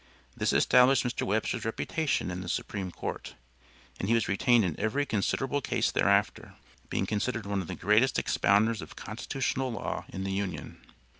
This established Mr. Webster's reputation in the Supreme Court, and he was retained in every considerable case thereafter, being considered one of the greatest expounders of constitutional law in the Union.